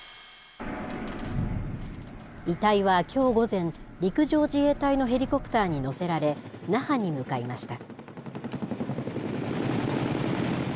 遺体はきょう午前、陸上自衛隊のヘリコプターに乗せられ、那覇に向かいました。